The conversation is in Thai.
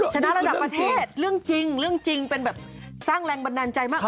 ชนะระดับประเทศเรื่องจริงเรื่องจริงเป็นแบบสร้างแรงบันดาลใจมาก